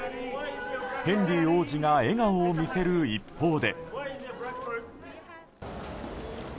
ヘンリー王子が笑顔を見せる一方で。